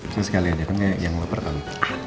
saya sekali aja kan kayak yang loper tadi